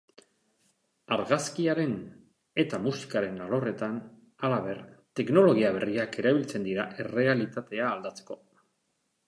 Argazkiaren eta musikaren alorretan, halaber, teknologia berriak erabiltzen dira errealitatea aldatzeko.